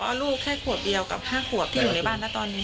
เพราะลูกแค่ขวบเดียวกับ๕ขวบที่อยู่ในบ้านนะตอนนี้